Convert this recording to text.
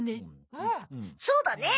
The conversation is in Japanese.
うんそうだねえ。